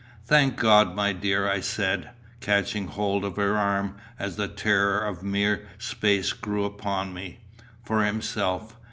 Thank God, my dear," I said, catching hold of her arm, as the terror of mere space grew upon me, "for himself.